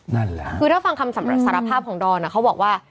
นั่นแหละคือถ้าฟังคำรับสารภาพของดอนเขาบอกว่า